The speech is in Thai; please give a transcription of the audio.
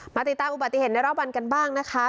ติดตามอุบัติเหตุในรอบวันกันบ้างนะคะ